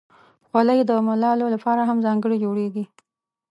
خولۍ د ملالو لپاره هم ځانګړې جوړیږي.